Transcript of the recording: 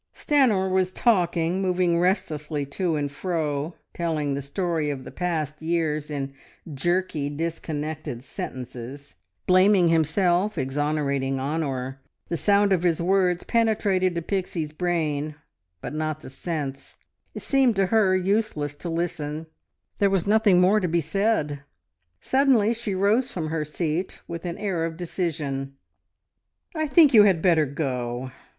Stanor was talking, moving restlessly to and fro, telling the story of the past years in jerky, disconnected sentences, blaming himself, exonerating Honor. The sound of his words penetrated to Pixie's brain, but not the sense. It seemed to her useless to listen; there was nothing more to be said. Suddenly she rose from her seat with an air of decision. "I think you had better go.